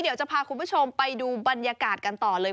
เดี๋ยวจะพาคุณผู้ชมไปดูบรรยากาศกันต่อเลย